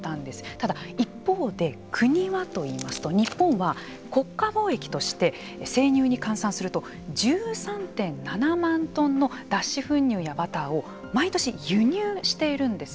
ただ、一方で国はといいますと日本は、国家貿易として生乳に換算すると１３．７万トンの脱脂粉乳やバターを毎年輸入しているんです。